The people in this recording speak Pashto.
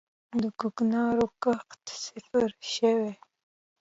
د کوکنارو کښت صفر شوی؟